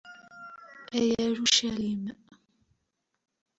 A Yarucalim!